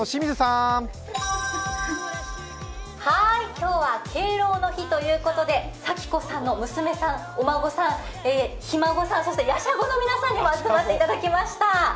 今日は敬老の日ということで佐喜子さんのお子さん、お孫さん、ひ孫さん、そしてやしゃごの皆さんにも集まっていただきました。